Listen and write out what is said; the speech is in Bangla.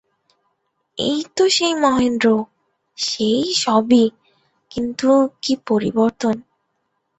এই তো সেই মহেন্দ্র–সেই সবই, কিন্তু কী পরিবর্তন।